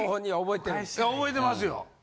覚えてますよ。